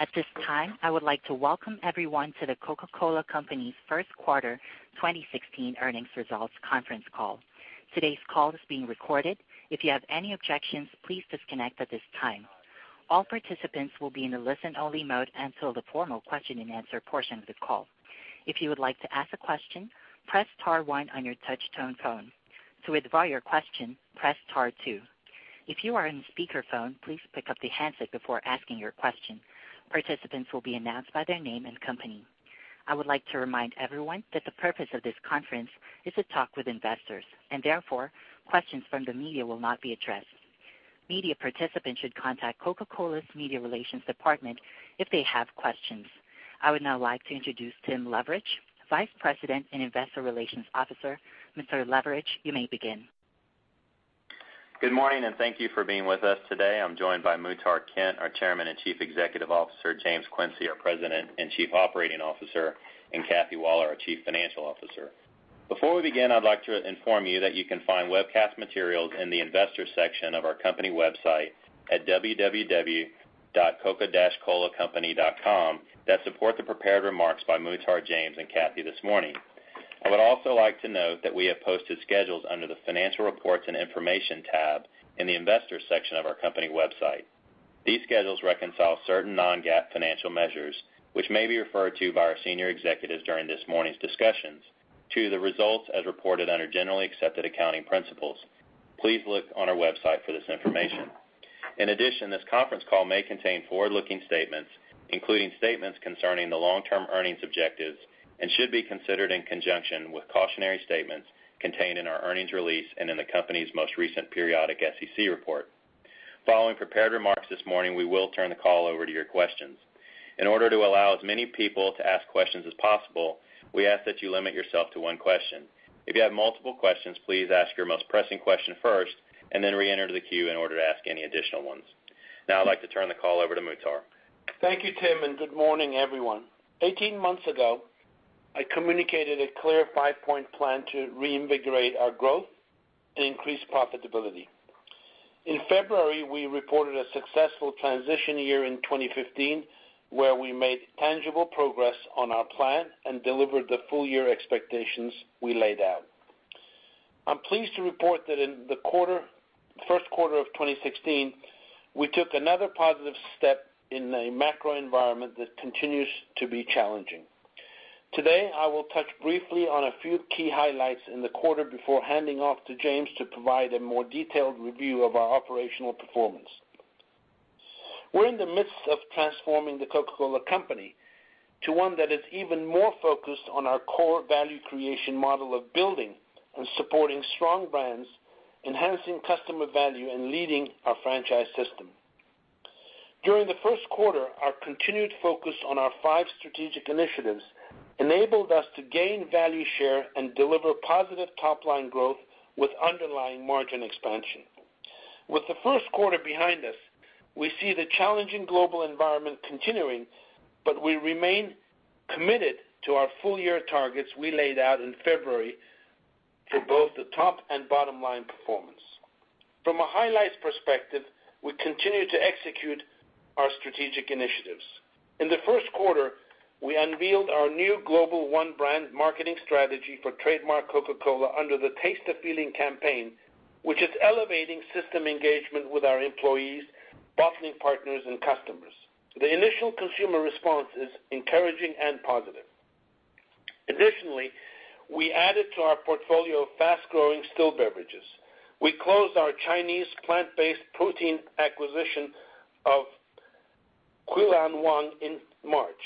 At this time, I would like to welcome everyone to The Coca-Cola Company's first quarter 2016 earnings results conference call. Today's call is being recorded. If you have any objections, please disconnect at this time. All participants will be in a listen-only mode until the formal question and answer portion of the call. If you would like to ask a question, press star one on your touch-tone phone. To withdraw your question, press star two. If you are on speakerphone, please pick up the handset before asking your question. Participants will be announced by their name and company. I would like to remind everyone that the purpose of this conference is to talk with investors, and therefore, questions from the media will not be addressed. Media participants should contact Coca-Cola's media relations department if they have questions. I would now like to introduce Tim Leveridge, Vice President and Investor Relations Officer. Mr. Leveridge, you may begin. Good morning, and thank you for being with us today. I'm joined by Muhtar Kent, our Chairman and Chief Executive Officer, James Quincey, our President and Chief Operating Officer, and Kathy Waller, our Chief Financial Officer. Before we begin, I'd like to inform you that you can find webcast materials in the investors section of our company website at www.coca-colacompany.com that support the prepared remarks by Muhtar, James, and Kathy this morning. I would also like to note that we have posted schedules under the financial reports and information tab in the investors section of our company website. These schedules reconcile certain non-GAAP financial measures, which may be referred to by our senior executives during this morning's discussions to the results as reported under generally accepted accounting principles. Please look on our website for this information. In addition, this conference call may contain forward-looking statements, including statements concerning the long-term earnings objectives and should be considered in conjunction with cautionary statements contained in our earnings release and in the company's most recent periodic SEC report. Following prepared remarks this morning, we will turn the call over to your questions. In order to allow as many people to ask questions as possible, we ask that you limit yourself to one question. If you have multiple questions, please ask your most pressing question first and then reenter the queue in order to ask any additional ones. Now I'd like to turn the call over to Muhtar. Thank you, Tim, and good morning, everyone. 18 months ago, I communicated a clear five-point plan to reinvigorate our growth and increase profitability. In February, we reported a successful transition year in 2015, where we made tangible progress on our plan and delivered the full-year expectations we laid out. I'm pleased to report that in the first quarter of 2016, we took another positive step in a macro environment that continues to be challenging. Today, I will touch briefly on a few key highlights in the quarter before handing off to James to provide a more detailed review of our operational performance. We're in the midst of transforming The Coca-Cola Company to one that is even more focused on our core value creation model of building and supporting strong brands, enhancing customer value, and leading our franchise system. During the first quarter, our continued focus on our five strategic initiatives enabled us to gain value share and deliver positive top-line growth with underlying margin expansion. With the first quarter behind us, we see the challenging global environment continuing, but we remain committed to our full-year targets we laid out in February for both the top and bottom line performance. From a highlights perspective, we continue to execute our strategic initiatives. In the first quarter, we unveiled our new global one brand marketing strategy for trademark Coca-Cola under the Taste the Feeling campaign, which is elevating system engagement with our employees, bottling partners, and customers. The initial consumer response is encouraging and positive. Additionally, we added to our portfolio of fast-growing still beverages. We closed our Chinese plant-based protein acquisition of Culiangwang in March.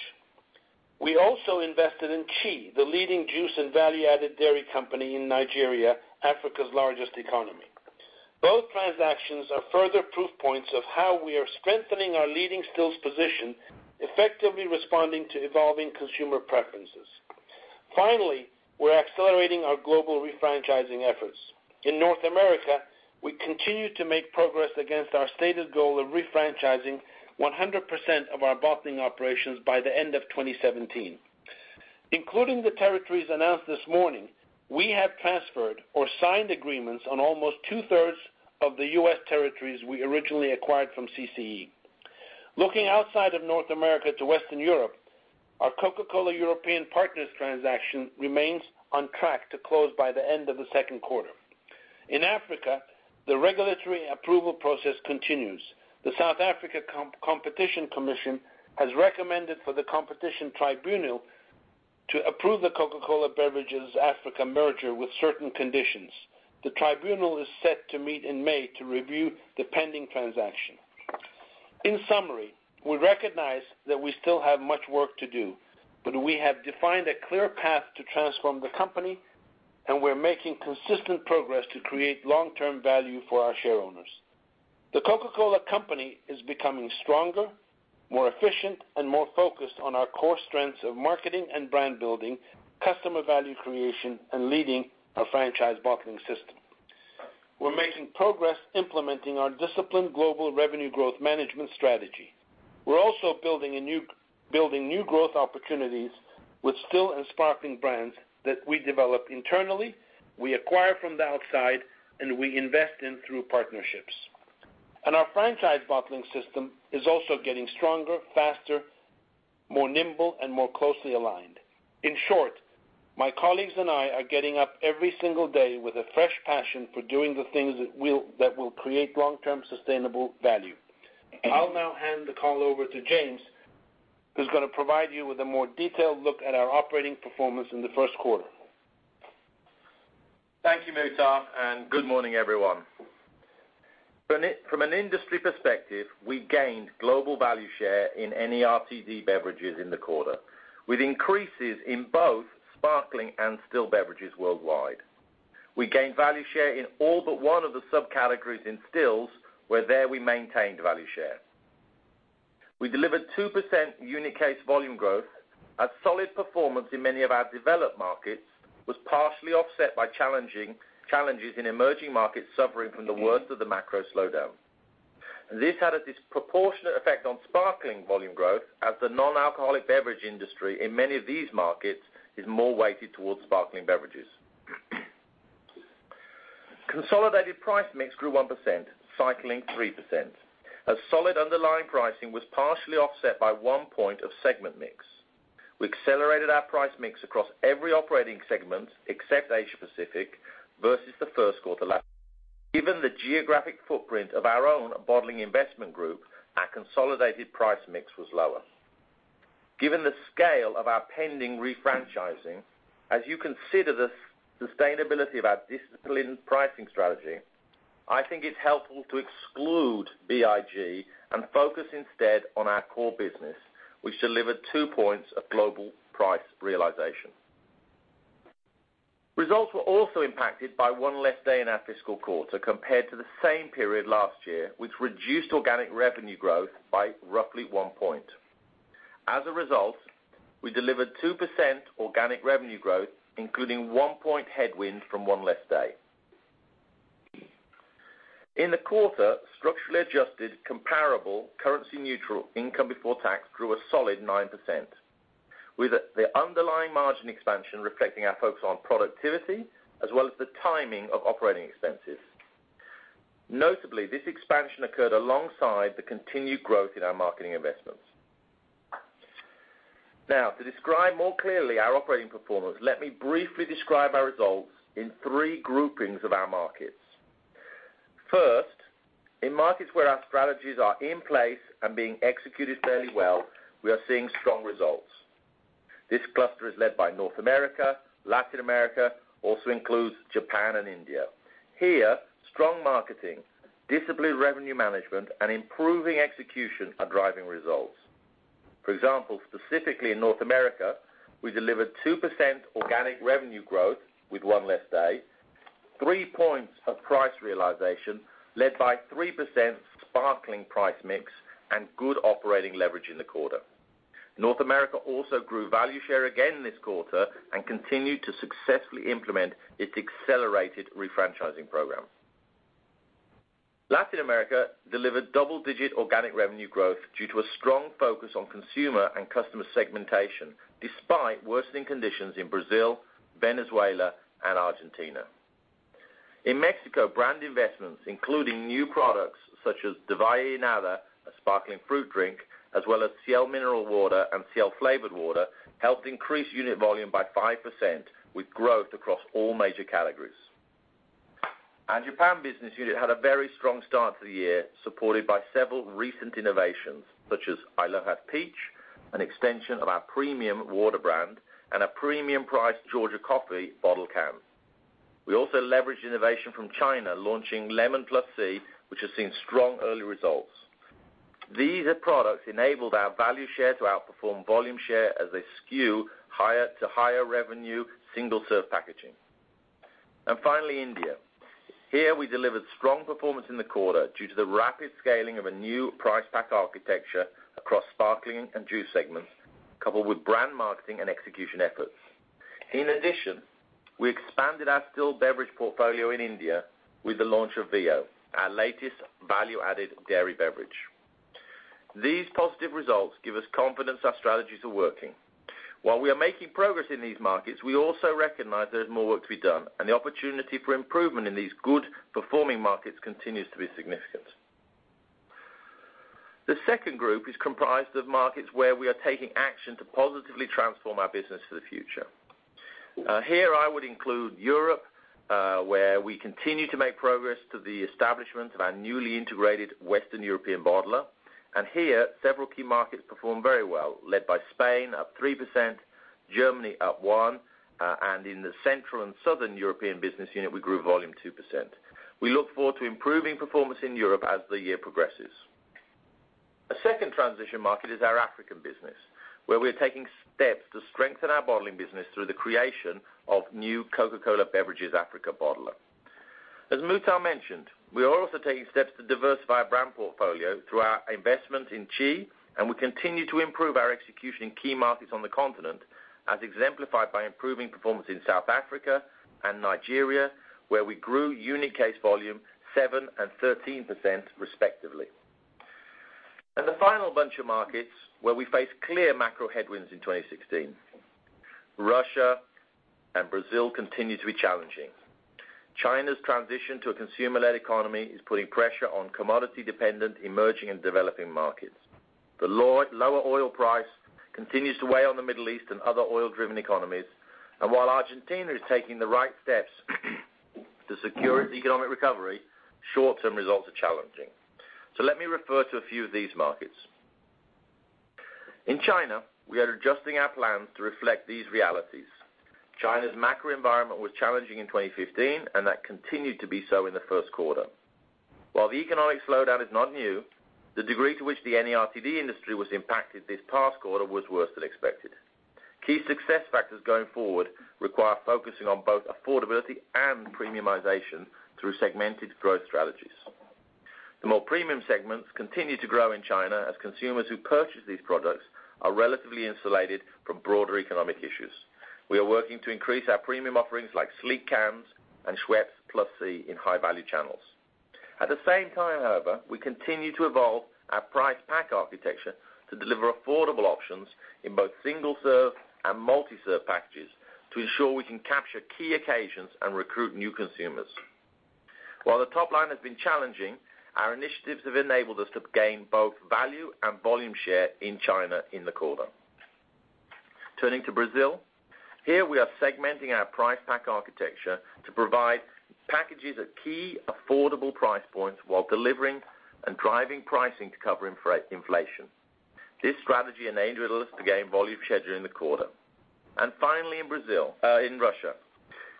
We also invested in Chi, the leading juice and value-added dairy company in Nigeria, Africa's largest economy. Both transactions are further proof points of how we are strengthening our leading stills position, effectively responding to evolving consumer preferences. Finally, we're accelerating our global refranchising efforts. In North America, we continue to make progress against our stated goal of refranchising 100% of our bottling operations by the end of 2017. Including the territories announced this morning, we have transferred or signed agreements on almost two-thirds of the U.S. territories we originally acquired from CCE. Looking outside of North America to Western Europe, our Coca-Cola European Partners transaction remains on track to close by the end of the second quarter. In Africa, the regulatory approval process continues. The South Africa Competition Commission has recommended for the Competition Tribunal to approve the Coca-Cola Beverages Africa merger with certain conditions. The tribunal is set to meet in May to review the pending transaction. In summary, we recognize that we still have much work to do, but we have defined a clear path to transform the company, and we're making consistent progress to create long-term value for our shareowners. The Coca-Cola Company is becoming stronger, more efficient, and more focused on our core strengths of marketing and brand building, customer value creation, and leading our franchise marketing system. We're making progress implementing our disciplined global revenue growth management strategy. We're also building new growth opportunities with still and sparkling brands that we develop internally, we acquire from the outside, and we invest in through partnerships. And our franchise bottling system is also getting stronger, faster, more nimble, and more closely aligned. In short, my colleagues and I are getting up every single day with a fresh passion for doing the things that will create long-term sustainable value. I'll now hand the call over to James, who's going to provide you with a more detailed look at our operating performance in the first quarter. Thank you, Muhtar, and good morning, everyone. From an industry perspective, we gained global value share in NARTD beverages in the quarter, with increases in both sparkling and still beverages worldwide. We gained value share in all but one of the subcategories in stills, where we maintained value share. We delivered 2% unit case volume growth. A solid performance in many of our developed markets was partially offset by challenges in emerging markets suffering from the worst of the macro slowdown. This had a disproportionate effect on sparkling volume growth as the non-alcoholic beverage industry in many of these markets is more weighted towards sparkling beverages. Consolidated price mix grew 1%, cycling 3%. A solid underlying pricing was partially offset by one point of segment mix. We accelerated our price mix across every operating segment except Asia Pacific versus the first quarter last. Given the geographic footprint of our own bottling investment group, our consolidated price mix was lower. Given the scale of our pending refranchising, as you consider the sustainability of our disciplined pricing strategy, I think it's helpful to exclude BIG and focus instead on our core business, which delivered two points of global price realization. Results were also impacted by one less day in our fiscal quarter compared to the same period last year, which reduced organic revenue growth by roughly one point. As a result, we delivered 2% organic revenue growth, including one point headwind from one less day. In the quarter, structurally adjusted comparable currency neutral income before tax grew a solid 9%, with the underlying margin expansion reflecting our focus on productivity as well as the timing of operating expenses. Notably, this expansion occurred alongside the continued growth in our marketing investments. To describe more clearly our operating performance, let me briefly describe our results in three groupings of our markets. First, in markets where our strategies are in place and being executed fairly well, we are seeing strong results. This cluster is led by North America, Latin America, also includes Japan and India. Here, strong marketing, disciplined revenue management, and improving execution are driving results. For example, specifically in North America, we delivered 2% organic revenue growth with one less day, three points of price realization, led by 3% sparkling price mix, and good operating leverage in the quarter. North America also grew value share again this quarter and continued to successfully implement its accelerated refranchising program. Latin America delivered double-digit organic revenue growth due to a strong focus on consumer and customer segmentation, despite worsening conditions in Brazil, Venezuela, and Argentina. In Mexico, brand investments, including new products such as Divina, a sparkling fruit drink, as well as Ciel mineral water and Ciel flavored water, helped increase unit volume by 5% with growth across all major categories. Our Japan business unit had a very strong start to the year, supported by several recent innovations, such as I LOHAS Peach, an extension of our premium water brand, and a premium price Georgia coffee bottle can. We also leveraged innovation from China, launching Lemon+C, which has seen strong early results. These products enabled our value share to outperform volume share as a SKU to higher revenue single-serve packaging. Finally, India. Here, we delivered strong performance in the quarter due to the rapid scaling of a new price pack architecture across sparkling and juice segments, coupled with brand marketing and execution efforts. In addition, we expanded our still beverage portfolio in India with the launch of Vio, our latest value-added dairy beverage. These positive results give us confidence our strategies are working. While we are making progress in these markets, we also recognize there is more work to be done, and the opportunity for improvement in these good-performing markets continues to be significant. The second group is comprised of markets where we are taking action to positively transform our business for the future. Here I would include Europe, where we continue to make progress to the establishment of our newly integrated Western European bottler. Here, several key markets performed very well, led by Spain, up 3%, Germany up 1%, and in the Central and Southern European business unit, we grew volume 2%. We look forward to improving performance in Europe as the year progresses. A second transition market is our African business, where we are taking steps to strengthen our bottling business through the creation of new Coca-Cola Beverages Africa bottler. As Muhtar mentioned, we are also taking steps to diversify our brand portfolio through our investment in Chi, and we continue to improve our execution in key markets on the continent, as exemplified by improving performance in South Africa and Nigeria, where we grew unit case volume 7% and 13%, respectively. The final bunch of markets where we face clear macro headwinds in 2016. Russia and Brazil continue to be challenging. China's transition to a consumer-led economy is putting pressure on commodity-dependent emerging and developing markets. The lower oil price continues to weigh on the Middle East and other oil-driven economies. While Argentina is taking the right steps to secure its economic recovery, short-term results are challenging. Let me refer to a few of these markets. In China, we are adjusting our plans to reflect these realities. China's macro environment was challenging in 2015, and that continued to be so in the first quarter. While the economic slowdown is not new, the degree to which the NARTD industry was impacted this past quarter was worse than expected. Key success factors going forward require focusing on both affordability and premiumization through segmented growth strategies. The more premium segments continue to grow in China as consumers who purchase these products are relatively insulated from broader economic issues. We are working to increase our premium offerings like Sleek Cans and Schweppes +C in high-value channels. At the same time, however, we continue to evolve our price pack architecture to deliver affordable options in both single-serve and multi-serve packages to ensure we can capture key occasions and recruit new consumers. While the top line has been challenging, our initiatives have enabled us to gain both value and volume share in China in the quarter. Turning to Brazil. Here we are segmenting our price pack architecture to provide packages at key affordable price points while delivering and driving pricing to cover inflation. This strategy enabled us to gain volume share during the quarter. Finally, in Russia,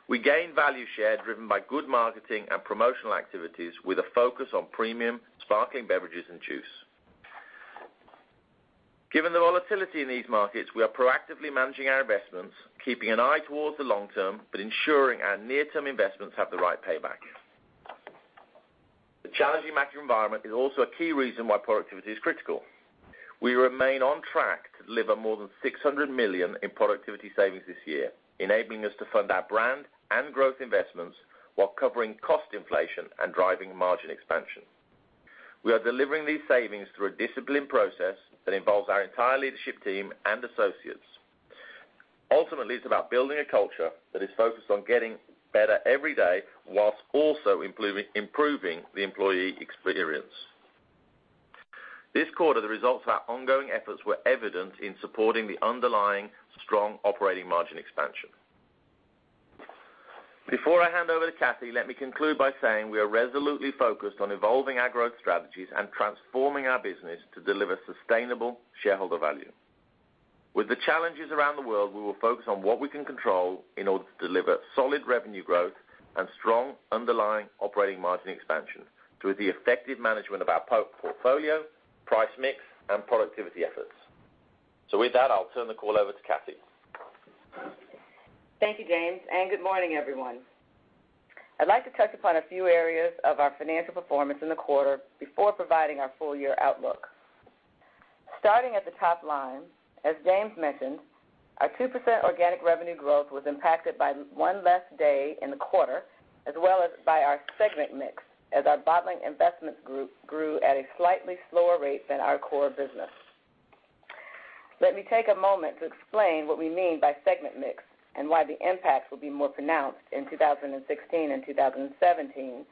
we gained value share driven by good marketing and promotional activities with a focus on premium sparkling beverages and juice. Given the volatility in these markets, we are proactively managing our investments, keeping an eye towards the long term, but ensuring our near-term investments have the right payback. The challenging macro environment is also a key reason why productivity is critical. We remain on track to deliver more than $600 million in productivity savings this year, enabling us to fund our brand and growth investments while covering cost inflation and driving margin expansion. We are delivering these savings through a disciplined process that involves our entire leadership team and associates. Ultimately, it's about building a culture that is focused on getting better every day whilst also improving the employee experience. This quarter, the results of our ongoing efforts were evident in supporting the underlying strong operating margin expansion. Before I hand over to Kathy, let me conclude by saying we are resolutely focused on evolving our growth strategies and transforming our business to deliver sustainable shareholder value. With the challenges around the world, we will focus on what we can control in order to deliver solid revenue growth and strong underlying operating margin expansion through the effective management of our portfolio, price mix, and productivity efforts. With that, I'll turn the call over to Kathy. Thank you, James. Good morning, everyone. I'd like to touch upon a few areas of our financial performance in the quarter before providing our full-year outlook. Starting at the top line, as James mentioned, our 2% organic revenue growth was impacted by one less day in the quarter, as well as by our segment mix, as our Bottling Investments Group grew at a slightly slower rate than our core business. Let me take a moment to explain what we mean by segment mix and why the impact will be more pronounced in 2016 and 2017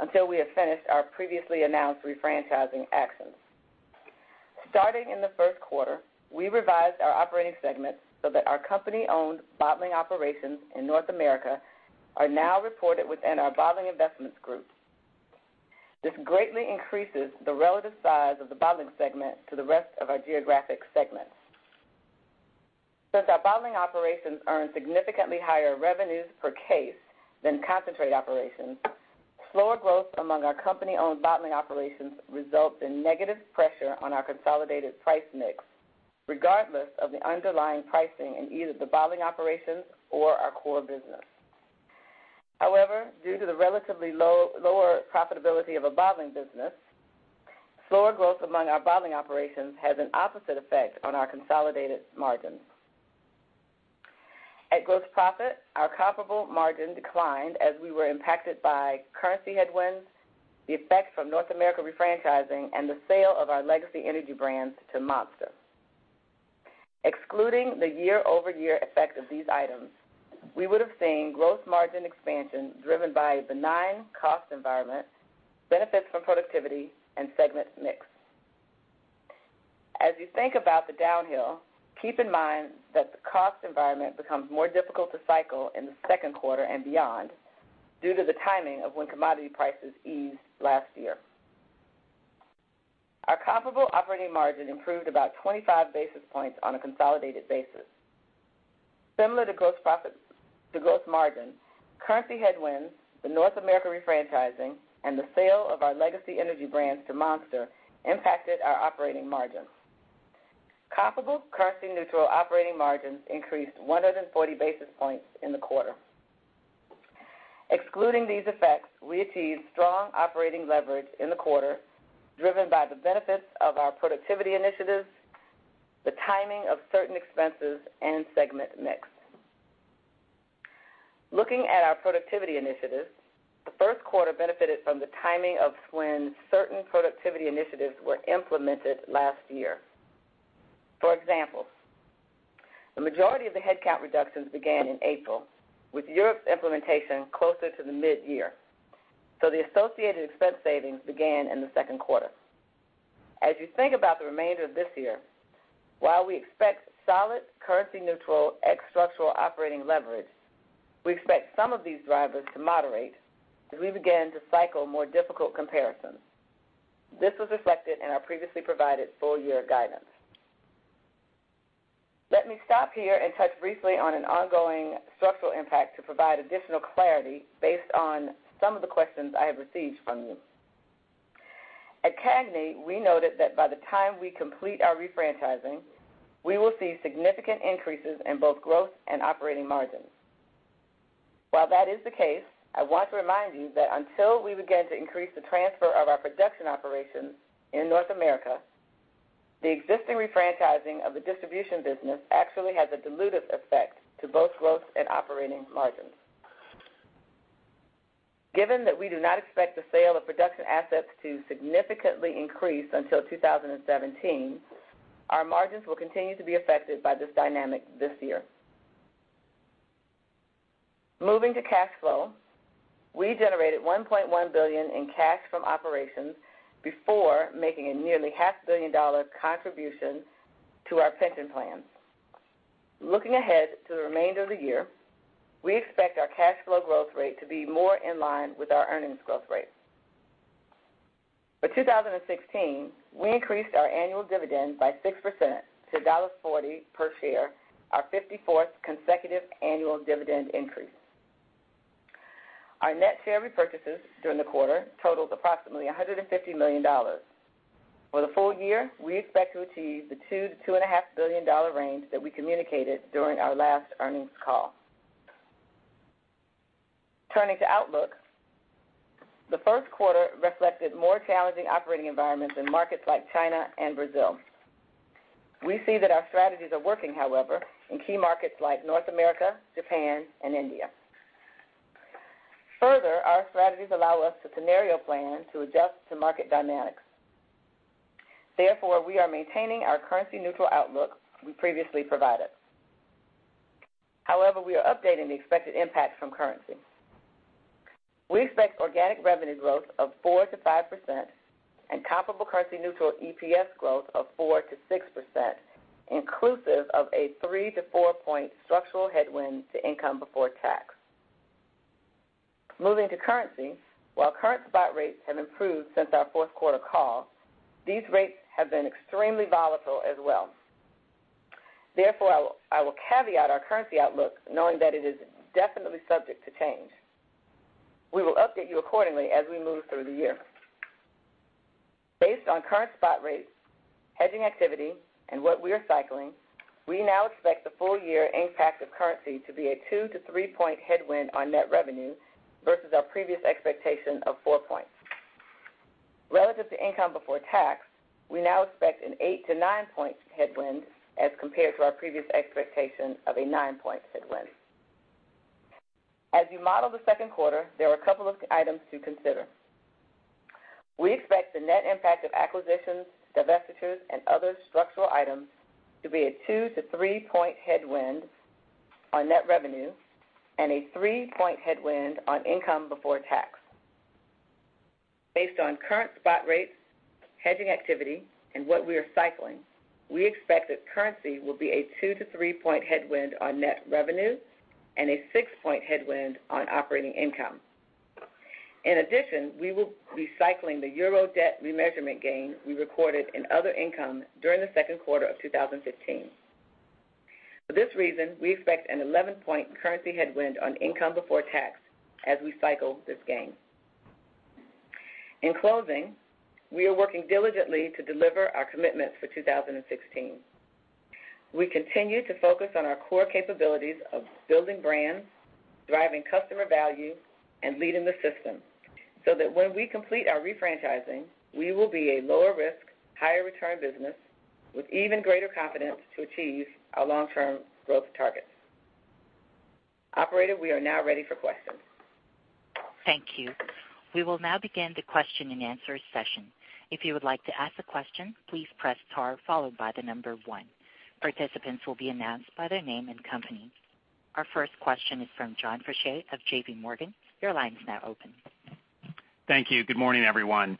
until we have finished our previously announced refranchising actions. Starting in the first quarter, we revised our operating segments so that our company-owned bottling operations in North America are now reported within our Bottling Investments Group. This greatly increases the relative size of the bottling segment to the rest of our geographic segments. Since our bottling operations earn significantly higher revenues per case than concentrate operations, slower growth among our company-owned bottling operations result in negative pressure on our consolidated price mix, regardless of the underlying pricing in either the bottling operations or our core business. However, due to the relatively lower profitability of a bottling business, slower growth among our bottling operations has an opposite effect on our consolidated margins. At gross profit, our comparable margin declined as we were impacted by currency headwinds, the effect from North America refranchising, and the sale of our legacy energy brands to Monster. Excluding the year-over-year effect of these items, we would have seen gross margin expansion driven by a benign cost environment, benefits from productivity, and segment mix. As you think about the downhill, keep in mind that the cost environment becomes more difficult to cycle in the second quarter and beyond due to the timing of when commodity prices eased last year. Our comparable operating margin improved about 25 basis points on a consolidated basis. Similar to gross margin, currency headwinds, the North America refranchising, and the sale of our legacy energy brands to Monster impacted our operating margin. Comparable currency neutral operating margins increased 140 basis points in the quarter. Excluding these effects, we achieved strong operating leverage in the quarter, driven by the benefits of our productivity initiatives, the timing of certain expenses, and segment mix. Looking at our productivity initiatives, the first quarter benefited from the timing of when certain productivity initiatives were implemented last year. For example, the majority of the headcount reductions began in April, with Europe's implementation closer to the mid-year, the associated expense savings began in the second quarter. As you think about the remainder of this year, while we expect solid currency neutral x structural operating leverage, we expect some of these drivers to moderate as we begin to cycle more difficult comparisons. This was reflected in our previously provided full-year guidance. Let me stop here and touch briefly on an ongoing structural impact to provide additional clarity based on some of the questions I have received from you. At CAGNY, we noted that by the time we complete our refranchising, we will see significant increases in both growth and operating margins. While that is the case, I want to remind you that until we begin to increase the transfer of our production operations in North America, the existing refranchising of the distribution business actually has a dilutive effect to both growth and operating margins. Given that we do not expect the sale of production assets to significantly increase until 2017, our margins will continue to be affected by this dynamic this year. Moving to cash flow, we generated $1.1 billion in cash from operations before making a nearly half billion dollar contribution to our pension plans. Looking ahead to the remainder of the year, we expect our cash flow growth rate to be more in line with our earnings growth rate. For 2016, we increased our annual dividend by 6% to $1.40 per share, our 54th consecutive annual dividend increase. Our net share repurchases during the quarter totaled approximately $150 million. For the full year, we expect to achieve the $2 billion to $2.5 billion range that we communicated during our last earnings call. Turning to outlook, the first quarter reflected more challenging operating environments in markets like China and Brazil. We see that our strategies are working, however, in key markets like North America, Japan, and India. Our strategies allow us to scenario plan to adjust to market dynamics. We are maintaining our currency neutral outlook we previously provided. We are updating the expected impact from currency. We expect organic revenue growth of 4% to 5% and comparable currency neutral EPS growth of 4% to 6%, inclusive of a 3 to 4 point structural headwind to income before tax. Moving to currency, while current spot rates have improved since our fourth quarter call, these rates have been extremely volatile as well. I will caveat our currency outlook knowing that it is definitely subject to change. We will update you accordingly as we move through the year. Based on current spot rates, hedging activity, and what we are cycling, we now expect the full year impact of currency to be a 2 to 3 point headwind on net revenue versus our previous expectation of 4 points. Relative to income before tax, we now expect an 8 to 9 point headwind as compared to our previous expectation of a 9 point headwind. As you model the second quarter, there are a couple of items to consider. We expect the net impact of acquisitions, divestitures, and other structural items to be a 2 to 3 point headwind on net revenue and a 3 point headwind on income before tax. Based on current spot rates, hedging activity, and what we are cycling, we expect that currency will be a 2 to 3 point headwind on net revenue and a 6 point headwind on operating income. In addition, we will be cycling the euro debt remeasurement gain we recorded in other income during the second quarter of 2015. For this reason, we expect an 11 point currency headwind on income before tax as we cycle this gain. In closing, we are working diligently to deliver our commitments for 2016. We continue to focus on our core capabilities of building brands, driving customer value, and leading the system, so that when we complete our refranchising, we will be a lower risk, higher return business with even greater confidence to achieve our long term growth targets. Operator, we are now ready for questions. Thank you. We will now begin the question and answer session. If you would like to ask a question, please press star followed by the number 1. Participants will be announced by their name and company. Our first question is from John Faucher of JPMorgan. Your line is now open. Thank you. Good morning, everyone.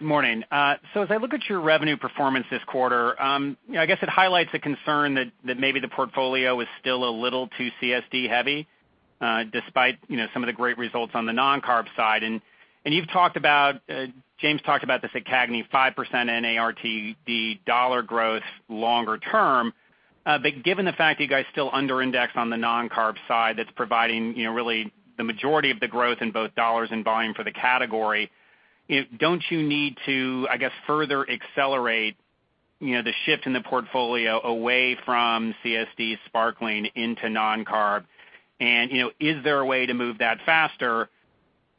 Morning. Morning. As I look at your revenue performance this quarter, I guess it highlights a concern that maybe the portfolio is still a little too CSD heavy, despite some of the great results on the non-carb side. You've talked about, James talked about this at CAGNY, 5% NARTD dollar growth longer term. Given the fact that you guys still under index on the non-carb side, that's providing really the majority of the growth in both dollars and volume for the category, don't you need to, I guess, further accelerate the shift in the portfolio away from CSD sparkling into non-carb? Is there a way to move that faster?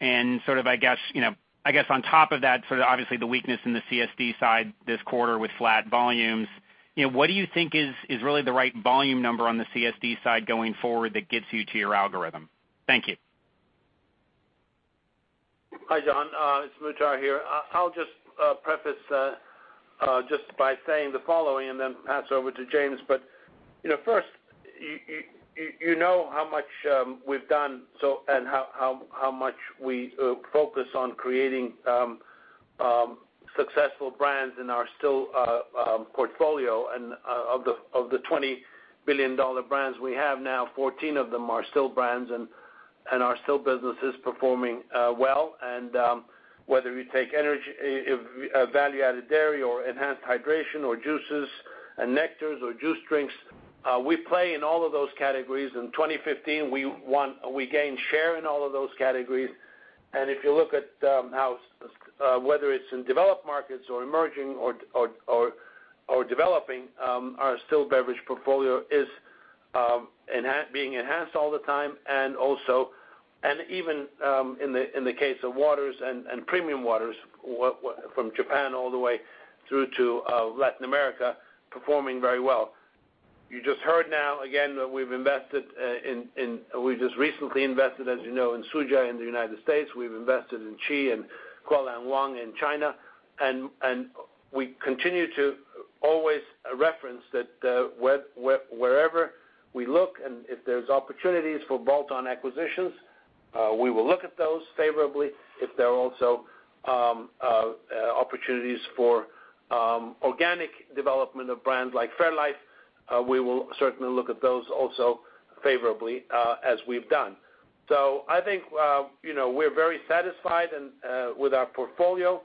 I guess on top of that, obviously the weakness in the CSD side this quarter with flat volumes. What do you think is really the right volume number on the CSD side going forward that gets you to your algorithm? Thank you. Hi, John. It's Muhtar here. I'll just preface by saying the following and then pass over to James. First, you know how much we've done and how much we focus on creating successful brands in our still portfolio. Of the $20 billion brands we have now, 14 of them are still brands, our still business is performing well. Whether we take energy, value-added dairy or enhanced hydration or juices and nectars or juice drinks, we play in all of those categories. In 2015, we gained share in all of those categories. If you look at whether it's in developed markets or emerging or developing, our still beverage portfolio is being enhanced all the time, and even in the case of waters and premium waters from Japan all the way through to Latin America, performing very well. You just heard now again that we've just recently invested, as you know, in Suja in the U.S. We've invested in Chi and Culiangwang in China. We continue to always reference that wherever we look, and if there's opportunities for bolt-on acquisitions, we will look at those favorably. If there are also opportunities for organic development of brands like fairlife, we will certainly look at those also favorably, as we've done. I think we're very satisfied with our portfolio.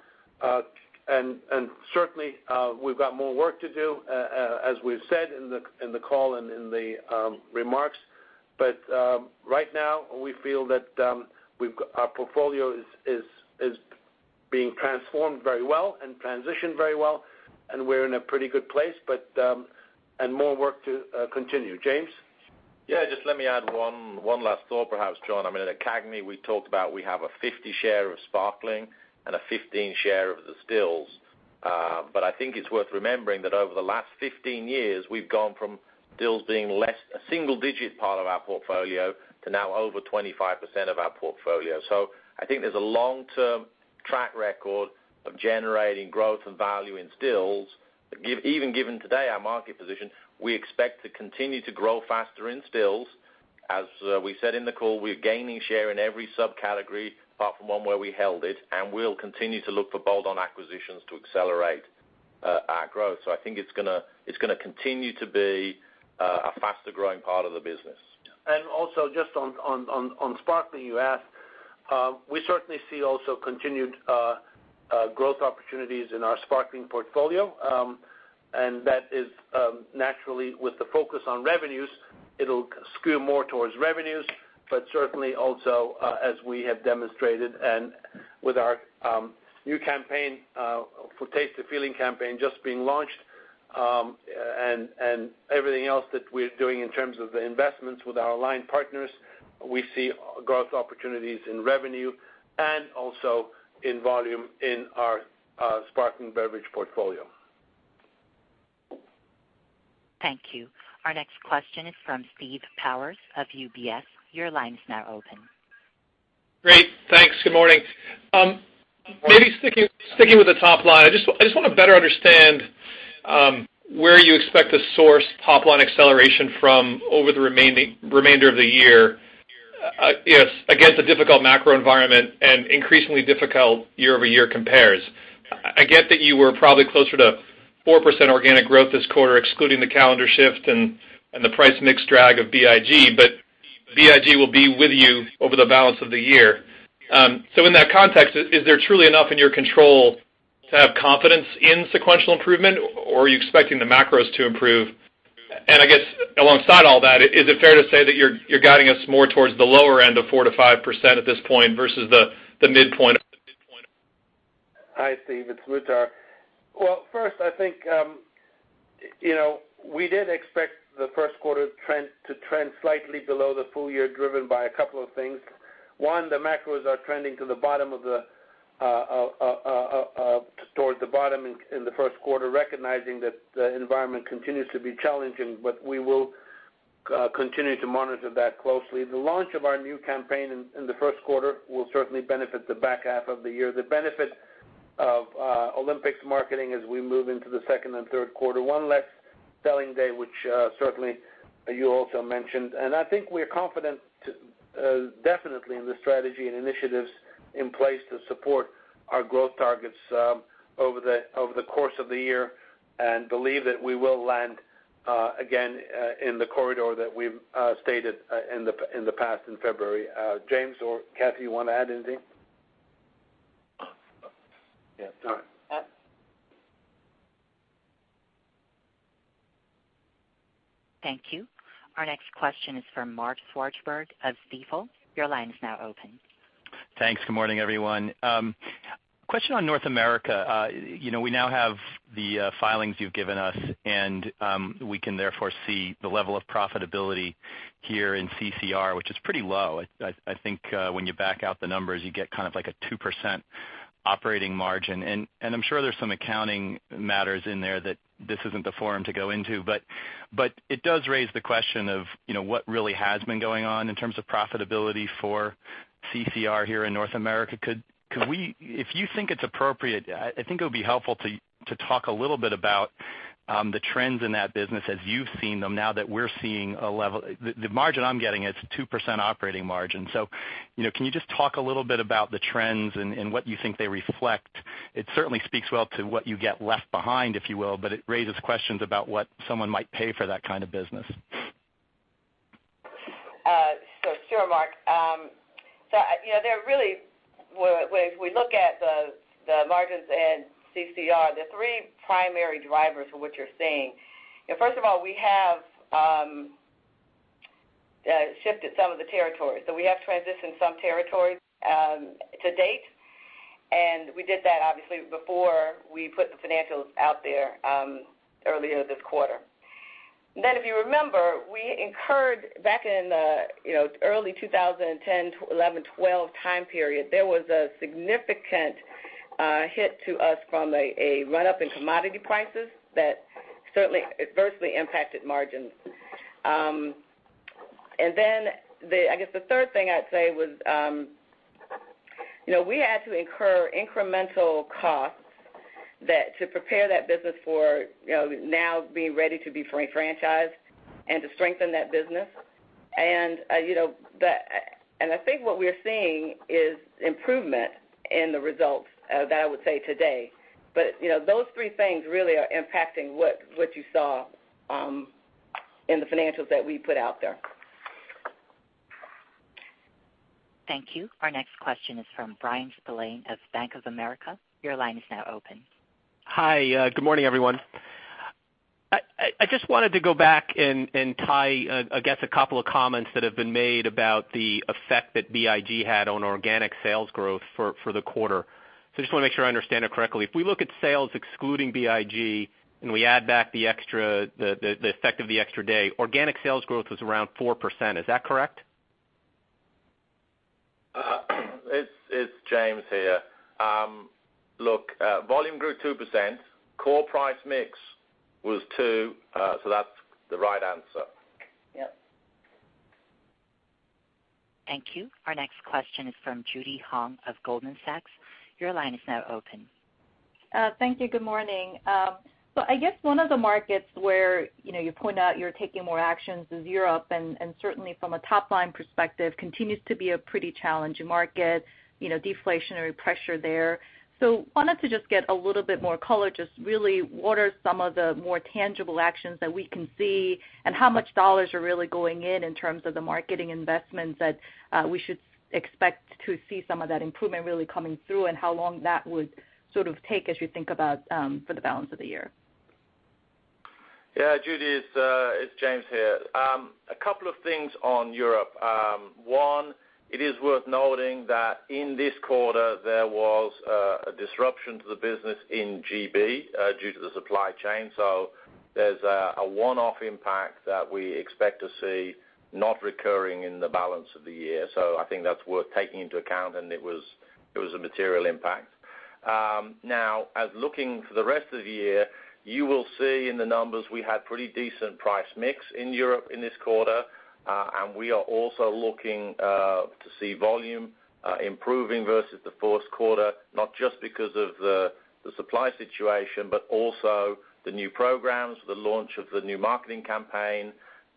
Certainly, we've got more work to do, as we've said in the call and in the remarks. Right now, we feel that our portfolio is being transformed very well and transitioned very well, and we're in a pretty good place, and more work to continue. James? Just let me add one last thought, perhaps, John. At CAGNY, we talked about we have a 50 share of sparkling and a 15 share of the stills. I think it's worth remembering that over the last 15 years, we've gone from stills being a single-digit part of our portfolio to now over 25% of our portfolio. I think there's a long-term track record of generating growth and value in stills. Even given today our market position, we expect to continue to grow faster in stills. As we said in the call, we're gaining share in every subcategory apart from one where we held it, and we'll continue to look for bolt-on acquisitions to accelerate our growth. I think it's going to continue to be a faster-growing part of the business. Also just on sparkling, you asked. We certainly see also continued growth opportunities in our sparkling portfolio. That is naturally with the focus on revenues, it'll skew more towards revenues, but certainly also as we have demonstrated and with our new campaign for Taste the Feeling campaign just being launched, and everything else that we're doing in terms of the investments with our line partners, we see growth opportunities in revenue and also in volume in our sparkling beverage portfolio. Thank you. Our next question is from Steve Powers of UBS. Your line is now open. Great. Thanks. Good morning. Good morning. Maybe sticking with the top line, I just want to better understand where you expect to source top-line acceleration from over the remainder of the year against a difficult macro environment and increasingly difficult year-over-year compares. I get that you were probably closer to 4% organic growth this quarter, excluding the calendar shift and the price mix drag of BIG, BIG will be with you over the balance of the year. In that context, is there truly enough in your control to have confidence in sequential improvement, or are you expecting the macros to improve? I guess alongside all that, is it fair to say that you're guiding us more towards the lower end of 4%-5% at this point versus the midpoint? Hi, Steve. It's Muhtar. Well, first, I think we did expect the first quarter to trend slightly below the full year, driven by a couple of things. One, the macros are trending towards the bottom in the first quarter, recognizing that the environment continues to be challenging, but we will continue to monitor that closely. The launch of our new campaign in the first quarter will certainly benefit the back half of the year. The benefit of Olympics marketing as we move into the second and third quarter. One less selling day, which certainly you also mentioned. I think we're confident definitely in the strategy and initiatives in place to support our growth targets over the course of the year and believe that we will land again in the corridor that we've stated in the past in February. James or Kathy, you want to add anything? No. Yeah. All right. Thank you. Our next question is from Mark Swartzberg of Stifel. Your line is now open. Thanks. Good morning, everyone. Question on North America. We now have the filings you've given us, and we can therefore see the level of profitability here in CCR, which is pretty low. I think when you back out the numbers, you get kind of like a 2% operating margin. I'm sure there's some accounting matters in there that this isn't the forum to go into, but it does raise the question of what really has been going on in terms of profitability for CCR here in North America. If you think it's appropriate, I think it would be helpful to talk a little bit about the trends in that business as you've seen them now that we're seeing a level. The margin I'm getting, it's a 2% operating margin. Can you just talk a little bit about the trends and what you think they reflect? It certainly speaks well to what you get left behind, if you will, but it raises questions about what someone might pay for that kind of business. Sure, Mark. If we look at the margins in CCR, the three primary drivers for which you're seeing. First of all, we have shifted some of the territories. We have transitioned some territories to date, and we did that obviously before we put the financials out there earlier this quarter. If you remember, we incurred back in early 2010, 2011, 2012 time period, there was a significant hit to us from a run-up in commodity prices that certainly adversely impacted margins. I guess the third thing I'd say was, we had to incur incremental costs to prepare that business for now being ready to be franchised and to strengthen that business. I think what we're seeing is improvement in the results that I would say today. Those three things really are impacting what you saw in the financials that we put out there. Thank you. Our next question is from Bryan Spillane of Bank of America. Your line is now open. Hi. Good morning, everyone. I just wanted to go back and tie, I guess, a couple of comments that have been made about the effect that BIG had on organic sales growth for the quarter. I just want to make sure I understand it correctly. If we look at sales excluding BIG, and we add back the effect of the extra day, organic sales growth was around 4%. Is that correct? It's James here. Look, volume grew 2%, core price mix was 2%, that's the right answer. Yep. Thank you. Our next question is from Judy Hong of Goldman Sachs. Your line is now open. Thank you. Good morning. I guess one of the markets where you point out you're taking more actions is Europe, and certainly from a top-line perspective, continues to be a pretty challenging market, deflationary pressure there. Wanted to just get a little bit more color, just really what are some of the more tangible actions that we can see and how much dollars are really going in terms of the marketing investments that we should expect to see some of that improvement really coming through and how long that would sort of take as you think about for the balance of the year? Yeah, Judy, it's James here. A couple of things on Europe. One, it is worth noting that in this quarter, there was a disruption to the business in GB due to the supply chain. There's a one-off impact that we expect to see not recurring in the balance of the year. I think that's worth taking into account, and it was a material impact. As looking for the rest of the year, you will see in the numbers we had pretty decent price mix in Europe in this quarter. We are also looking to see volume improving versus the first quarter, not just because of the supply situation, but also the new programs, the launch of the new marketing campaign,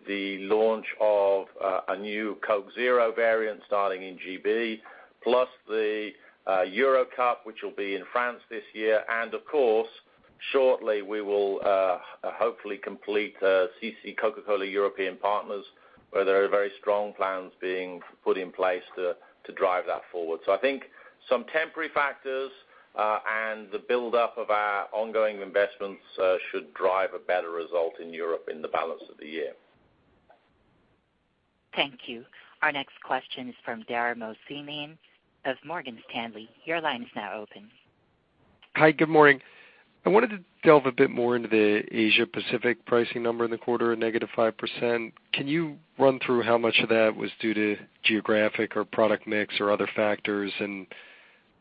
the launch of a new Coke Zero variant starting in GB, plus the Euro Cup, which will be in France this year. Of course, shortly we will hopefully complete Coca-Cola European Partners, where there are very strong plans being put in place to drive that forward. I think some temporary factors, and the buildup of our ongoing investments should drive a better result in Europe in the balance of the year. Thank you. Our next question is from Dara Mohsenian of Morgan Stanley. Your line is now open. Hi, good morning. I wanted to delve a bit more into the Asia Pacific pricing number in the quarter, a negative 5%. Can you run through how much of that was due to geographic or product mix or other factors and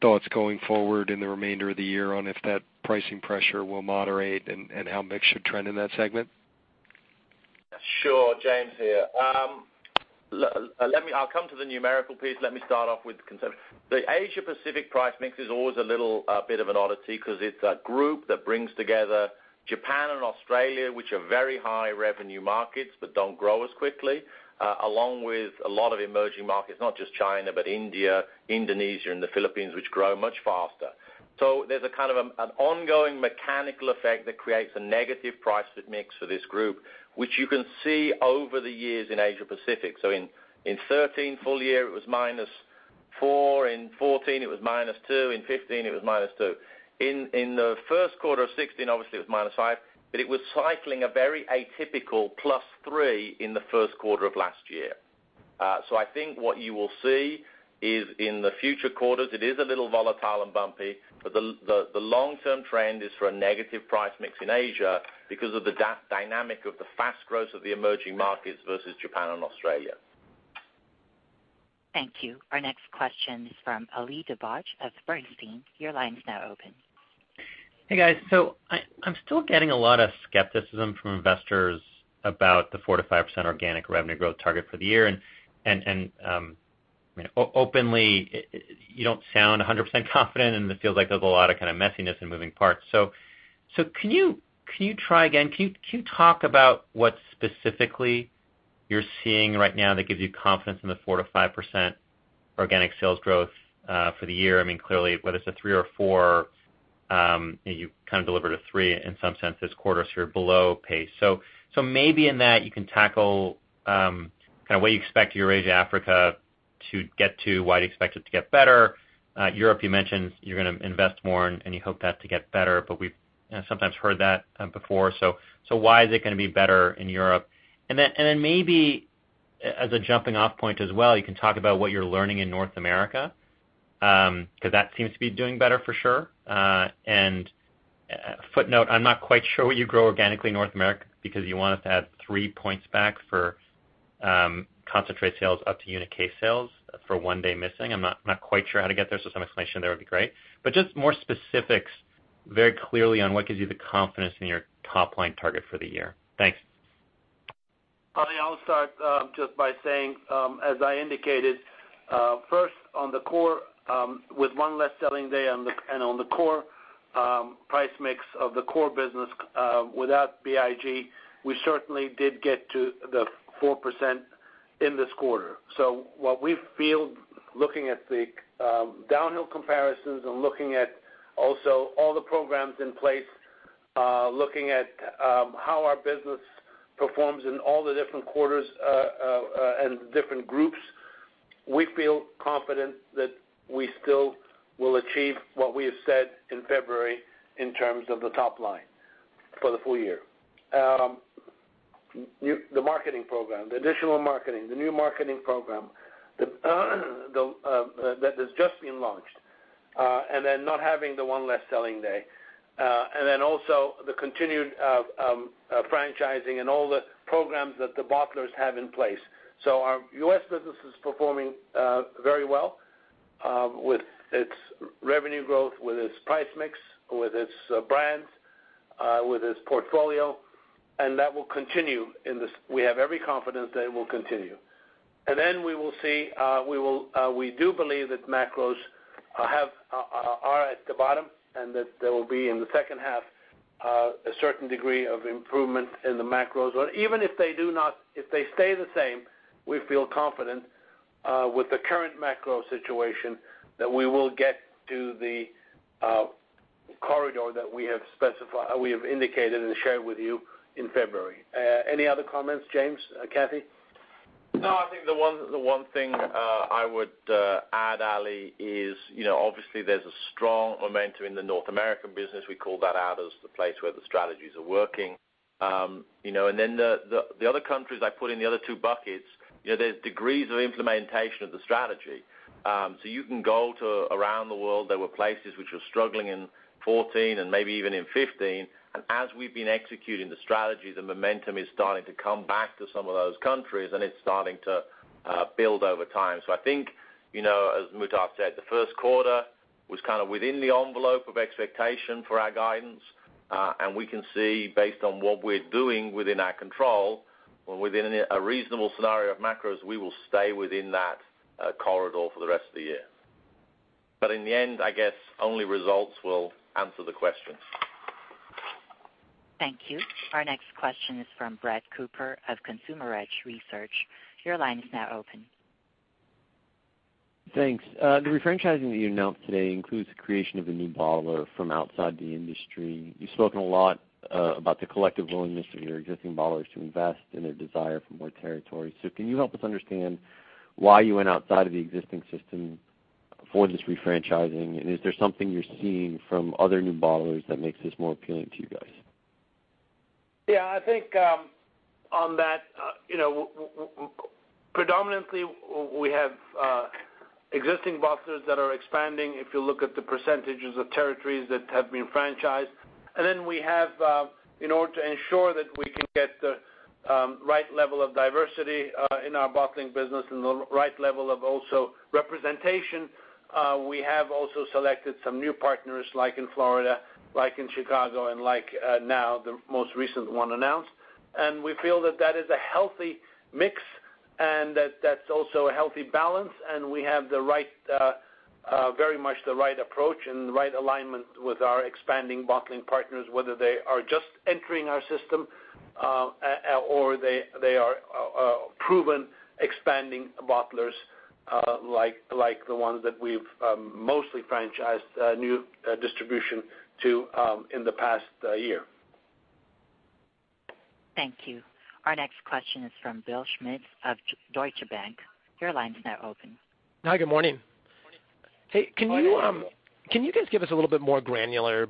thoughts going forward in the remainder of the year on if that pricing pressure will moderate and how mix should trend in that segment? Sure. James here. I'll come to the numerical piece. Let me start off with the concept. The Asia Pacific price mix is always a little bit of an oddity because it's a group that brings together Japan and Australia, which are very high revenue markets but don't grow as quickly, along with a lot of emerging markets, not just China, but India, Indonesia, and the Philippines, which grow much faster. There's a kind of an ongoing mechanical effect that creates a negative price mix for this group, which you can see over the years in Asia Pacific. In 2013 full year, it was -4%. In 2014, it was -2%. In 2015, it was -2%. In the first quarter of 2016, obviously, it was -5%, but it was cycling a very atypical +3% in the first quarter of last year. I think what you will see is in the future quarters, it is a little volatile and bumpy, but the long-term trend is for a negative price mix in Asia because of the dynamic of the fast growth of the emerging markets versus Japan and Australia. Thank you. Our next question is from Ali Dibadj of Bernstein. Your line is now open. Hey, guys. I'm still getting a lot of skepticism from investors about the 4%-5% organic revenue growth target for the year. Openly, you don't sound 100% confident, and it feels like there's a lot of messiness and moving parts. Can you try again? Can you talk about what specifically you're seeing right now that gives you confidence in the 4%-5% organic sales growth for the year? Clearly, whether it's a 3% or 4%, you delivered a 3% in some sense this quarter, you're below pace. Maybe in that you can tackle what you expect Eurasia, Africa to get to, why do you expect it to get better? Europe, you mentioned you're going to invest more, and you hope that to get better, we've sometimes heard that before. Why is it going to be better in Europe? Then maybe as a jumping-off point as well, you can talk about what you're learning in North America, because that seems to be doing better for sure. A footnote, I'm not quite sure what you grow organically in North America because you want us to add three points back for concentrate sales up to unit case sales for one day missing. I'm not quite sure how to get there, some explanation there would be great. Just more specifics very clearly on what gives you the confidence in your top-line target for the year. Thanks. Ali, I'll start just by saying, as I indicated, first on the core, with one less selling day and on the core price mix of the core business without BIG, we certainly did get to the 4% in this quarter. What we feel, looking at the downhill comparisons and looking at also all the programs in place, looking at how our business performs in all the different quarters and different groups, we feel confident that we still will achieve what we have said in February in terms of the top line for the full year. The marketing program, the additional marketing, the new marketing program that has just been launched, not having the one less selling day, also the continued franchising and all the programs that the bottlers have in place. Our U.S. business is performing very well with its revenue growth, with its price mix, with its brands, with its portfolio. That will continue. We have every confidence that it will continue. We do believe that macros are at the bottom and that there will be, in the second half, a certain degree of improvement in the macros. Even if they do not, if they stay the same, we feel confident with the current macro situation that we will get to the corridor that we have indicated and shared with you in February. Any other comments, James, Kathy? No, I think the one thing I would add, Ali, is obviously, there's a strong momentum in the North American business. We call that out as the place where the strategies are working. The other countries I put in the other two buckets, there's degrees of implementation of the strategy. You can go to around the world. There were places which were struggling in 2014 and maybe even in 2015. As we've been executing the strategy, the momentum is starting to come back to some of those countries, and it's starting to build over time. I think, as Muhtar said, the first quarter was kind of within the envelope of expectation for our guidance. We can see based on what we're doing within our control or within a reasonable scenario of macros, we will stay within that corridor for the rest of the year. In the end, I guess only results will answer the questions. Thank you. Our next question is from Brett Cooper of Consumer Edge Research. Your line is now open. Thanks. The refranchising that you announced today includes the creation of a new bottler from outside the industry. You've spoken a lot about the collective willingness of your existing bottlers to invest and their desire for more territory. Can you help us understand why you went outside of the existing system for this refranchising? Is there something you're seeing from other new bottlers that makes this more appealing to you guys? Yeah, I think on that, predominantly, we have existing bottlers that are expanding, if you look at the percentages of territories that have been franchised. Then we have, in order to ensure that we can get the right level of diversity in our bottling business and the right level of also representation, we have also selected some new partners, like in Florida, like in Chicago, and like now the most recent one announced. We feel that that is a healthy mix and that that's also a healthy balance, and we have very much the right approach and the right alignment with our expanding bottling partners, whether they are just entering our system or they are proven expanding bottlers, like the ones that we've mostly franchised new distribution to in the past year. Thank you. Our next question is from Bill Schmitz of Deutsche Bank. Your line is now open. Hi, good morning. Hey, can you guys give us a little bit more granular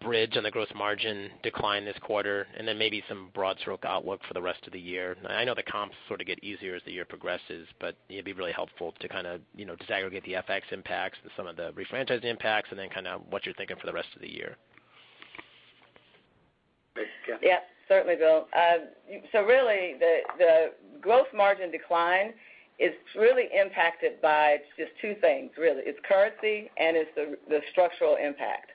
bridge on the gross margin decline this quarter and then maybe some broad stroke outlook for the rest of the year? I know the comps sort of get easier as the year progresses, it'd be really helpful to kind of disaggregate the FX impacts with some of the refranchise impacts and then kind of what you're thinking for the rest of the year. Thanks, Bill. Yeah. Certainly, Bill. Really, the gross margin decline is really impacted by just two things, really. It's currency, and it's the structural impact.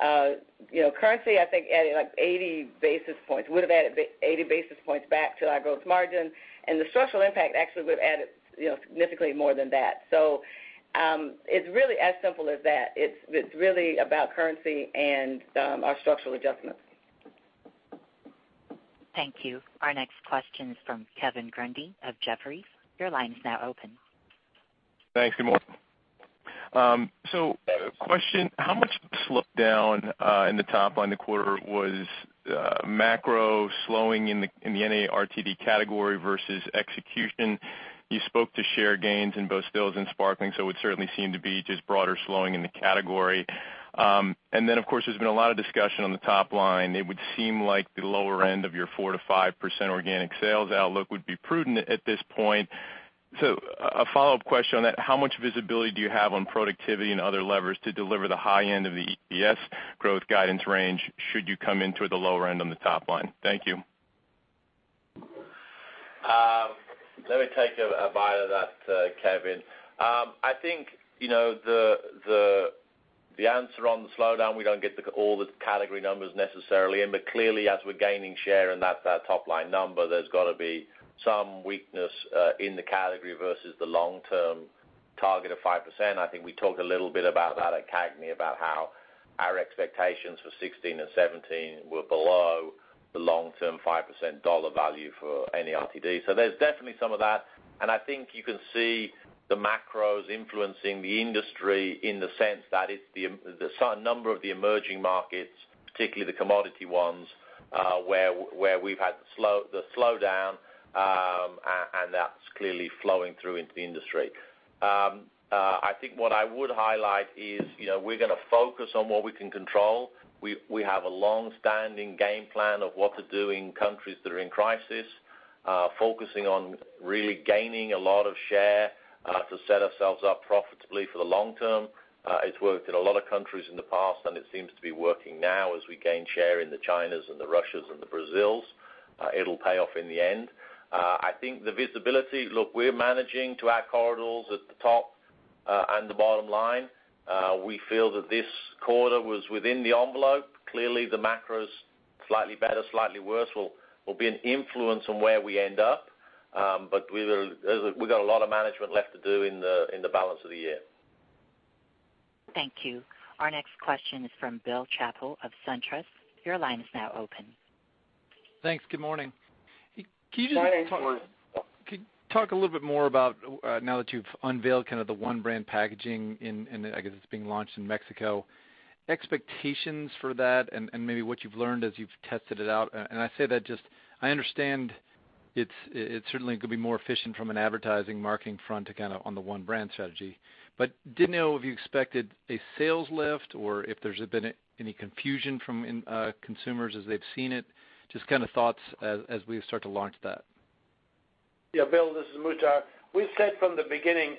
Currency, I think, added like 80 basis points. Would've added 80 basis points back to our gross margin, the structural impact actually would've added significantly more than that. It's really as simple as that. It's really about currency and our structural adjustments. Thank you. Our next question is from Kevin Grundy of Jefferies. Your line is now open. Thanks. Good morning. Question, how much of the slowdown in the top line the quarter was macro slowing in the NA RTD category versus execution? You spoke to share gains in both stills and sparkling, it would certainly seem to be just broader slowing in the category. Of course, there's been a lot of discussion on the top line. It would seem like the lower end of your 4% to 5% organic sales outlook would be prudent at this point. A follow-up question on that, how much visibility do you have on productivity and other levers to deliver the high end of the EPS growth guidance range should you come in toward the lower end on the top line? Thank you. Let me take a bite of that, Kevin. I think, the answer on the slowdown, we don't get all the category numbers necessarily in, but clearly, as we're gaining share in that top-line number, there's got to be some weakness in the category versus the long-term target of 5%. I think we talked a little bit about that at CAGNY, about how our expectations for 2016 and 2017 were below the long-term 5% dollar value for any RTD. There's definitely some of that. I think you can see the macros influencing the industry in the sense that it's the number of the emerging markets, particularly the commodity ones, where we've had the slowdown. That's clearly flowing through into the industry. I think what I would highlight is, we're going to focus on what we can control. We have a long-standing game plan of what to do in countries that are in crisis, focusing on really gaining a lot of share, to set ourselves up profitably for the long term. It's worked in a lot of countries in the past, and it seems to be working now as we gain share in the Chinas and the Russias and the Brazils. It'll pay off in the end. Look, we're managing to our corridors at the top and the bottom line. We feel that this quarter was within the envelope. Clearly, the macros slightly better, slightly worse, will be an influence on where we end up. We got a lot of management left to do in the balance of the year. Thank you. Our next question is from Bill Chappell of SunTrust. Your line is now open. Thanks. Good morning. Good morning. Can you talk a little bit more about now that you've unveiled kind of the one brand packaging in, I guess it's being launched in Mexico, expectations for that and maybe what you've learned as you've tested it out. I say that just, I understand it certainly could be more efficient from an advertising marketing front kind of on the one brand strategy. Didn't know if you expected a sales lift or if there's been any confusion from consumers as they've seen it. Just kind of thoughts as we start to launch that. Yeah, Bill, this is Muhtar. We've said from the beginning,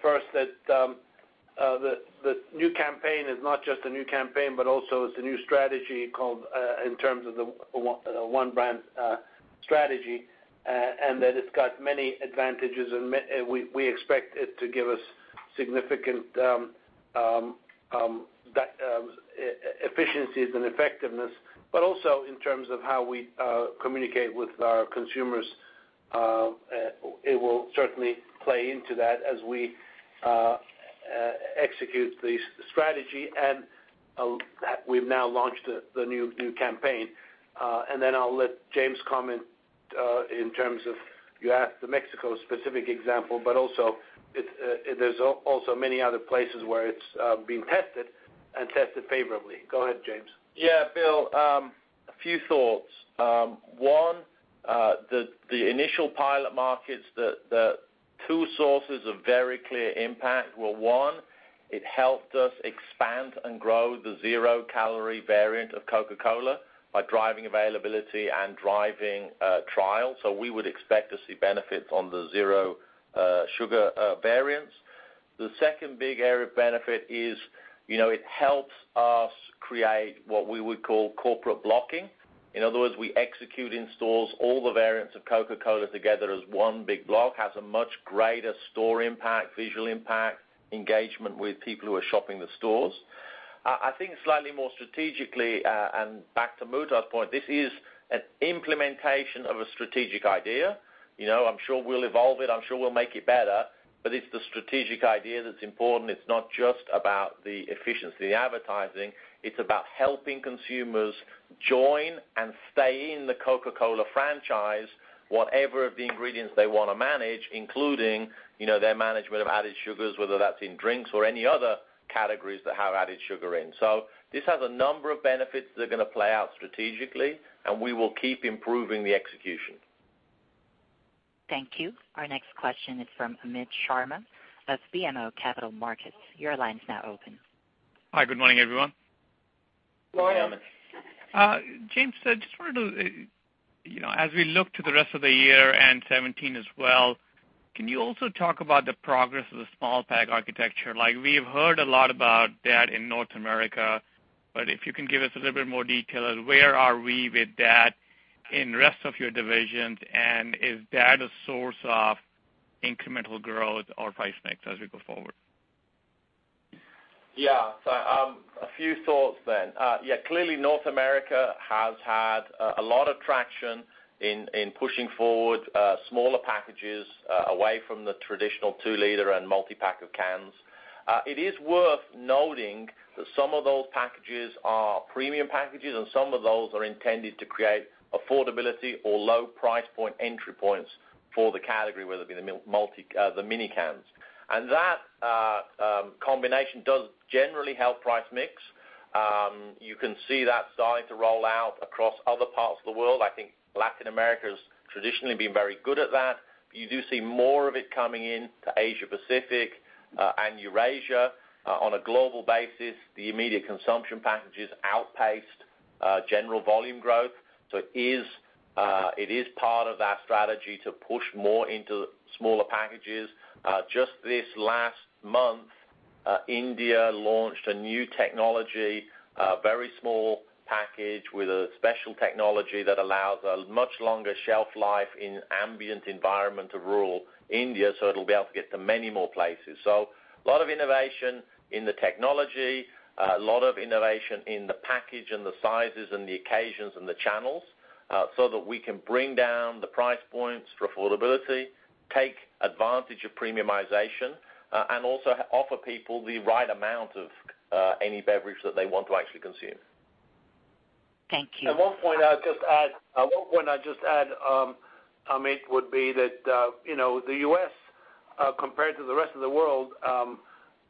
first, that the new campaign is not just a new campaign, but also it's a new strategy in terms of the one brand strategy, that it's got many advantages, we expect it to give us significant efficiencies and effectiveness, but also in terms of how we communicate with our consumers. It will certainly play into that as we execute the strategy, we've now launched the new campaign. I'll let James comment in terms of, you asked the Mexico specific example, but there's also many other places where it's being tested and tested favorably. Go ahead, James. Yeah, Bill, a few thoughts. One, the initial pilot markets, the two sources of very clear impact were, one, it helped us expand and grow the zero-calorie variant of Coca-Cola by driving availability and driving trials. We would expect to see benefits on the zero sugar variants. The second big area of benefit is it helps us create what we would call corporate blocking. In other words, we execute in stores all the variants of Coca-Cola together as one big block, has a much greater store impact, visual impact, engagement with people who are shopping the stores. I think slightly more strategically, back to Muhtar's point, this is an implementation of a strategic idea. I'm sure we'll evolve it. I'm sure we'll make it better, it's the strategic idea that's important. It's not just about the efficiency of the advertising. It's about helping consumers join and stay in the Coca-Cola franchise, whatever the ingredients they want to manage, including their management of added sugars, whether that's in drinks or any other categories that have added sugar in. This has a number of benefits that are going to play out strategically, and we will keep improving the execution. Thank you. Our next question is from Amit Sharma of BMO Capital Markets. Your line's now open. Hi, good morning, everyone. Good morning, Amit. James, as we look to the rest of the year and 2017 as well, can you also talk about the progress of the small pack architecture? We've heard a lot about that in North America, but if you can give us a little bit more detail, where are we with that in the rest of your divisions? Is that a source of incremental growth or price mix as we go forward? A few thoughts then. Clearly, North America has had a lot of traction in pushing forward smaller packages away from the traditional 2-liter and multi-pack of cans. It is worth noting that some of those packages are premium packages, and some of those are intended to create affordability or low price point entry points for the category, whether it be the mini cans. That combination does generally help price mix. You can see that starting to roll out across other parts of the world. I think Latin America has traditionally been very good at that. You do see more of it coming in to Asia Pacific and Eurasia. On a global basis, the immediate consumption packages outpaced general volume growth. It is part of our strategy to push more into smaller packages. Just this last month, India launched a new technology. A very small package with a special technology that allows a much longer shelf life in ambient environment of rural India, so it'll be able to get to many more places. A lot of innovation in the technology, a lot of innovation in the package and the sizes and the occasions and the channels, so that we can bring down the price points for affordability, take advantage of premiumization, and also offer people the right amount of any beverage that they want to actually consume. Thank you. One point I'd just add, Amit, would be that the U.S., compared to the rest of the world,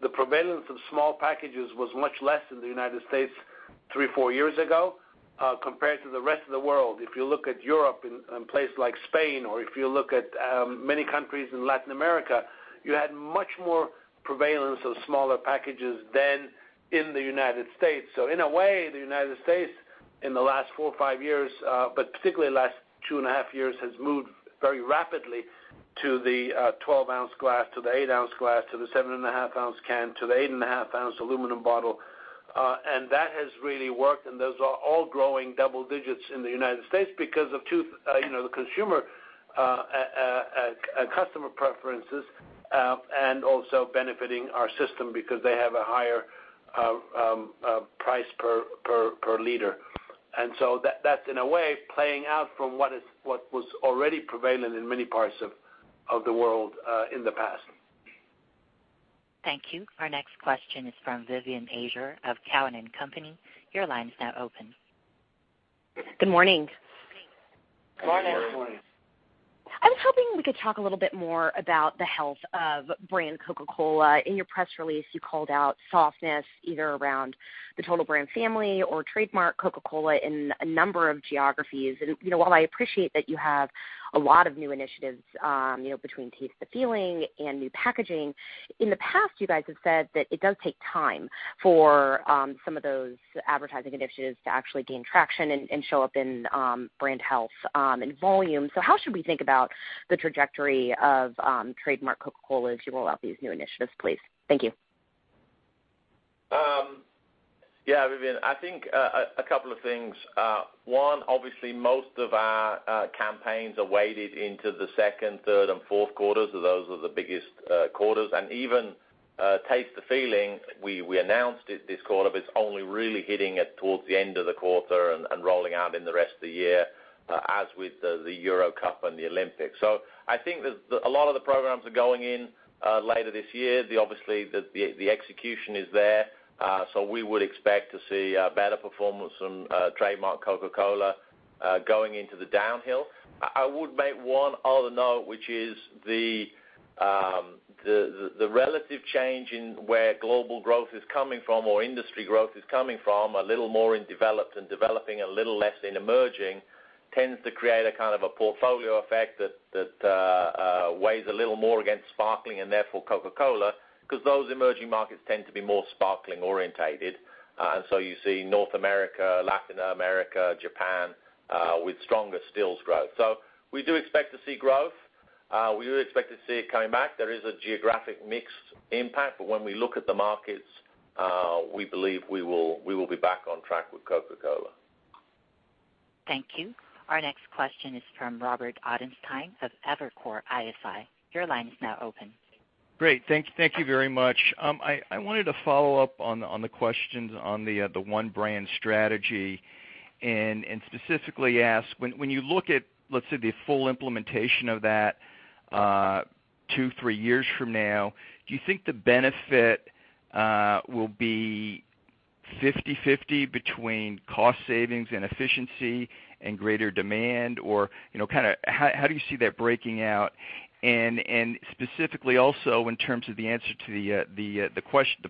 the prevalence of small packages was much less in the United States three, four years ago, compared to the rest of the world. If you look at Europe and places like Spain, or if you look at many countries in Latin America, you had much more prevalence of smaller packages than in the United States. In a way, the United States, in the last four or five years, but particularly the last two and a half years, has moved very rapidly to the 12-ounce glass, to the 8-ounce glass, to the 7 and a half ounce can, to the 8 and a half ounce aluminum bottle. That has really worked, and those are all growing double digits in the United States because of the consumer customer preferences, also benefiting our system because they have a higher price per liter. That's, in a way, playing out from what was already prevalent in many parts of the world in the past. Thank you. Our next question is from Vivien Azer of Cowen and Company. Your line is now open. Good morning. Good morning. I was hoping we could talk a little bit more about the health of brand Coca-Cola. In your press release, you called out softness either around the total brand family or trademark Coca-Cola in a number of geographies. While I appreciate that you have a lot of new initiatives, between Taste the Feeling and new packaging. In the past, you guys have said that it does take time for some of those advertising initiatives to actually gain traction and show up in brand health and volume. How should we think about the trajectory of trademark Coca-Cola as you roll out these new initiatives, please? Thank you. Vivien. I think a couple of things. One, obviously, most of our campaigns are weighted into the second, third, and fourth quarters. Those are the biggest quarters. Even Taste the Feeling, we announced it this quarter, but it's only really hitting it towards the end of the quarter and rolling out in the rest of the year, as with the Euro Cup and the Olympics. I think that a lot of the programs are going in later this year. Obviously, the execution is there, we would expect to see better performance from trademark Coca-Cola going into the downhill. I would make one other note, which is the relative change in where global growth is coming from or industry growth is coming from, a little more in developed and developing, a little less in emerging, tends to create a kind of a portfolio effect that weighs a little more against sparkling and therefore Coca-Cola, because those emerging markets tend to be more sparkling-orientated. You see North America, Latin America, Japan with stronger stills growth. We do expect to see growth. We do expect to see it coming back. There is a geographic mix impact, but when we look at the markets, we believe we will be back on track with Coca-Cola. Thank you. Our next question is from Robert Ottenstein of Evercore ISI. Your line is now open. Great. Thank you very much. I wanted to follow up on the questions on the one brand strategy and specifically ask, when you look at, let's say, the full implementation of that two, three years from now, do you think the benefit will be 50/50 between cost savings and efficiency and greater demand? How do you see that breaking out? Specifically also in terms of the answer to the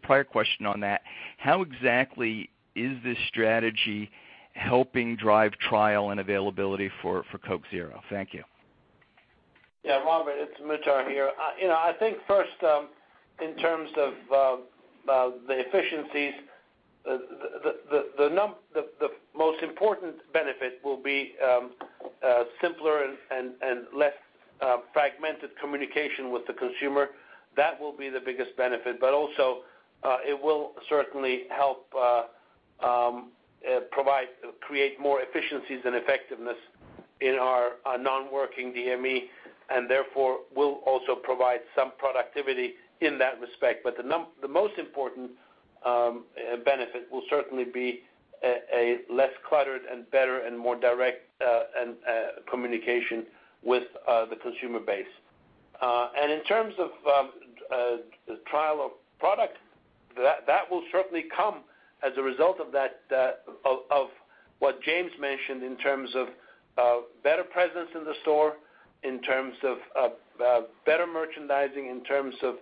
prior question on that, how exactly is this strategy helping drive trial and availability for Coke Zero? Thank you. Yeah, Robert, it's Muhtar here. I think first, in terms of the efficiencies, the most important benefit will be simpler and less fragmented communication with the consumer. That will be the biggest benefit. Also, it will certainly help create more efficiencies and effectiveness in our non-working DME, and therefore, will also provide some productivity in that respect. The most important benefit will certainly be a less cluttered and better and more direct communication with the consumer base. In terms of the trial of product, that will certainly come as a result of what James mentioned in terms of better presence in the store, in terms of better merchandising, in terms of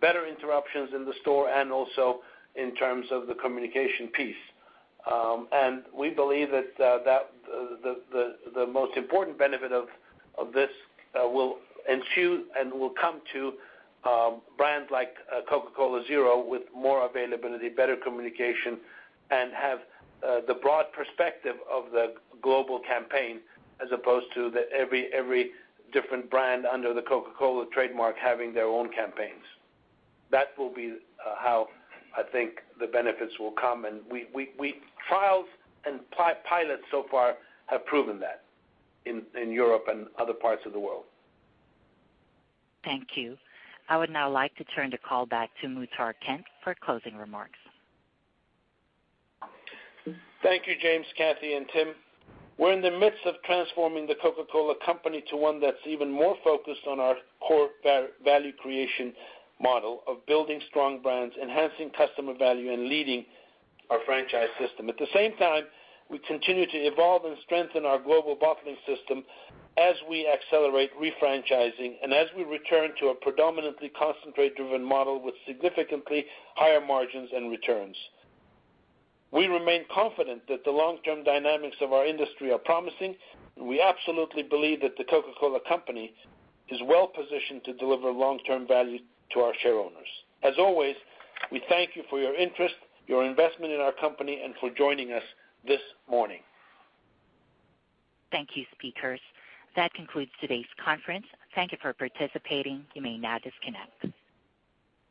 better interruptions in the store, and also in terms of the communication piece. We believe that the most important benefit of this will ensue and will come to brands like Coca-Cola Zero with more availability, better communication, and have the broad perspective of the global campaign as opposed to every different brand under the Coca-Cola trademark having their own campaigns. That will be how I think the benefits will come. Trials and pilots so far have proven that in Europe and other parts of the world. Thank you. I would now like to turn the call back to Muhtar Kent for closing remarks. Thank you, James, Kathy, and Tim. We're in the midst of transforming The Coca-Cola Company to one that's even more focused on our core value creation model of building strong brands, enhancing customer value, and leading our franchise system. At the same time, we continue to evolve and strengthen our global bottling system as we accelerate refranchising and as we return to a predominantly concentrate-driven model with significantly higher margins and returns. We remain confident that the long-term dynamics of our industry are promising. We absolutely believe that The Coca-Cola Company is well-positioned to deliver long-term value to our shareowners. As always, we thank you for your interest, your investment in our company, and for joining us this morning. Thank you, speakers. That concludes today's conference. Thank you for participating. You may now disconnect.